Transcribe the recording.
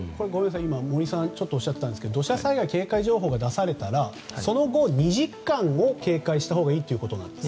森さんがおっしゃっていたんですが土砂災害警戒情報が出されたらその後、２時間を警戒したほうがいいということですか？